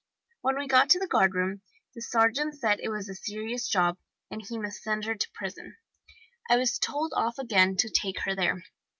When we got to the guardroom the sergeant said it was a serious job, and he must send her to prison. I was told off again to take her there.